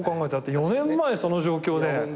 ４年前その状況で。